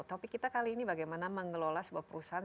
topik kita kali ini bagaimana mengelola sebuah perusahaan